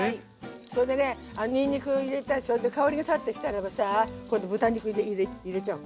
それでねにんにく入れてそれで香りが立ってきたらばさ今度豚肉入れちゃおう